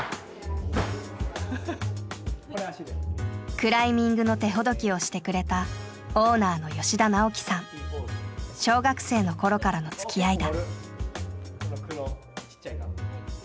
クライミングの手ほどきをしてくれた小学生の頃からのつきあいだ。